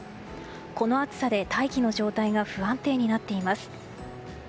この暑さで大気の状態が不安定になっています。